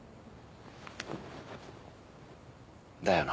だよな。